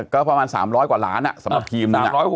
ก็ประมาณ๓๐๐กว่าล้านสำหรับทีมหนึ่ง